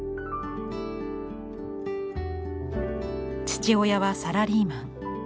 父親はサラリーマン。